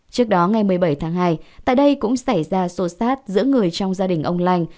trước đó ngày một mươi bảy tháng hai tại đây cũng xảy ra xô xát giữa người trong gia đình ông lanh